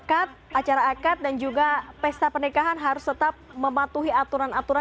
akad acara akad dan juga pesta pernikahan harus tetap mematuhi aturan aturan